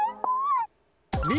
Ｂ。